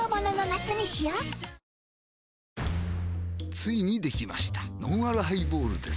ついにできましたのんあるハイボールです